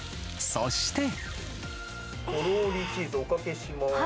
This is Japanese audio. そして。